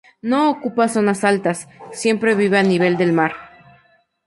No ocupa zonas altas, siempre vive a nivel del mar.